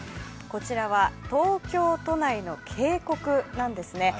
こちらは、東京都内の渓谷なんですね。